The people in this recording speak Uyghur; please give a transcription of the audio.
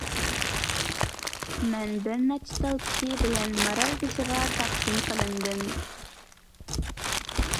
مەن بىر قانچە كىشى بىلەن مارالبېشىغا تەقسىم قىلىندىم.